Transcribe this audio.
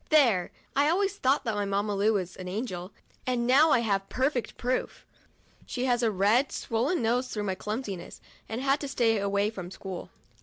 ' There — I always thought that my Mamma Lu was an angel, and now I have perfect proof. She has a red, swollen nose through my clumsiness, and has had to stay away from school.